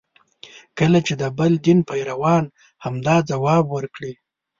کله چې د بل دین پیروان همدا ځواب ورکړي.